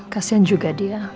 kasihan juga dia